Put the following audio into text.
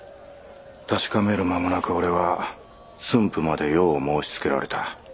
確かめる間もなく俺は駿府まで用を申しつけられた。